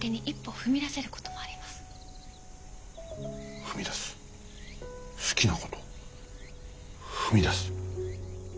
踏み出す好きなこと踏み出す。